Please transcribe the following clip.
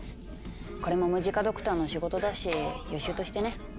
これもムジカドクターの仕事だし予習としてね。